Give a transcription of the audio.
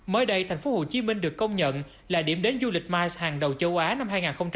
mới đây thành phố hồ chí minh được công nhận là điểm đến du lịch mice hàng đầu châu á năm hai nghìn hai mươi ba